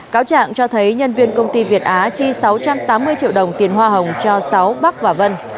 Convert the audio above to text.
cáo trạng cho thấy nhân viên công ty việt á chi sáu trăm tám mươi triệu đồng tiền hoa hồng cho sáu bắc và vân